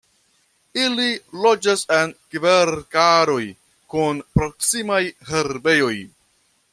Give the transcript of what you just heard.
Ili loĝas en kverkaroj kun proksimaj herbejoj.